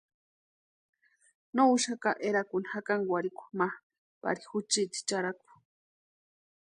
No úxaka erakuni jakankurhikwa ma pari juchiti charhaku.